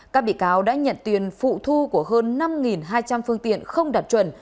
các bị cáo đã nhận tiền phụ thu của hơn năm hai trăm linh phương tiện không đạt chuẩn